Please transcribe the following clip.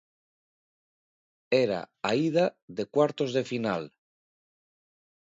Era a ida de cuartos de final.